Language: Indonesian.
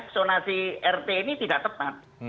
sonasi rt ini tidak tepat